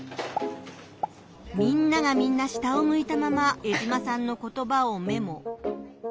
みんながみんな下を向いたまま江島さんの言葉をメモ。